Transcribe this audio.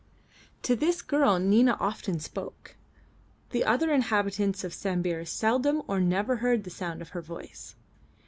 To this girl Nina often spoke; the other inhabitants of Sambir seldom or never heard the sound of her voice.